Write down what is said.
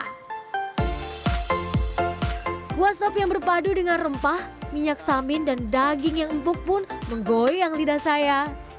kuah sop yang berpadu dengan rempah minyak samin dan daging yang empuk pun menggoyang lidah saya